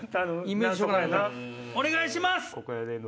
お願いします！